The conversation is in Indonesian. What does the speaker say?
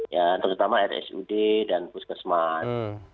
ya terutama rsud dan puskesmas